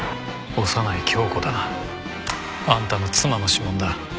小山内響子だな。あんたの妻の指紋だ。